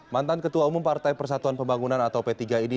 mantan ketua umum partai persatuan pembangunan atau p tiga ini